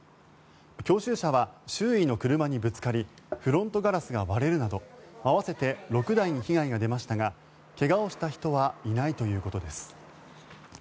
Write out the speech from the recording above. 教習車は周囲の車にぶつかりフロントガラスが割れるなど合わせて６台に被害が出ましたが怪我をした人はいないということです。